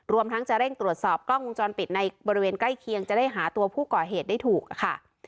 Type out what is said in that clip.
ทั้งจะเร่งตรวจสอบกล้องวงจรปิดในบริเวณใกล้เคียงจะได้หาตัวผู้ก่อเหตุได้ถูกค่ะ